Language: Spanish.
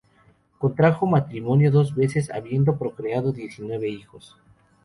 Contrajo matrimonio dos veces, habiendo procreado diecinueve hijos.